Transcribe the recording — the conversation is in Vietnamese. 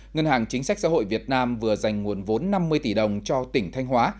ngân hàng chính sách xã hội việt nam vừa dành nguồn vốn năm mươi tỷ đồng cho tỉnh thanh hóa